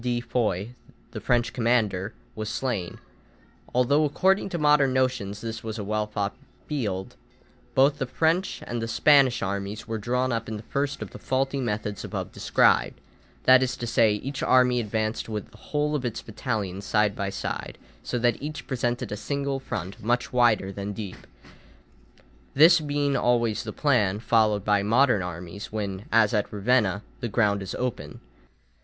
de Foix, the French commander, was slain, although according to modern notions this was a well fought field, both the French and the Spanish armies were drawn up in the first of the faulty methods above described; that is to say, each army advanced with the whole of its battalions side by side, so that each presented a single front much wider than deep; this being always the plan followed by modern armies when, as at Ravenna, the ground is open.